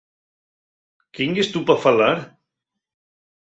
¿Quién yes tu pa falar?